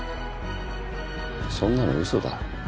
そんなのうそだ。